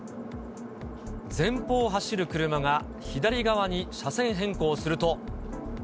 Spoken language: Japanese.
前方を走る車が左側に車線変更すると。